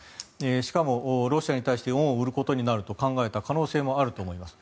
しかも、ロシアに対して恩を売ることになると考えた可能性もあると思います。